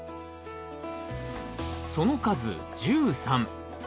その数１３。